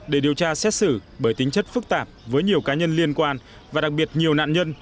để điều tra xét xử bởi tính chất phức tạp với nhiều cá nhân liên quan và đặc biệt nhiều nạn nhân